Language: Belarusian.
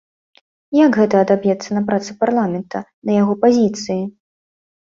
Як гэта адаб'ецца на працы парламента, на яго пазіцыі?